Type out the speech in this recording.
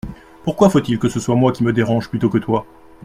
Pourquoi faut-il que ce soit moi qui me dérange plutôt que toi ?